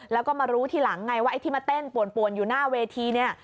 แล้วก็มารู้ทีหลังไงว่าไอ้ที่มาเต้นป่วนอยู่หน้าเวทีเนี่ย